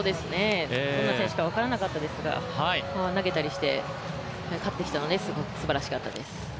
どんな選手か分からなかったですが、投げたりして勝ってきたのですばらしかったです。